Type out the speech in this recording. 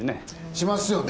しますよね